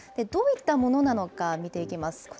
どういったものなのか、見ていきます。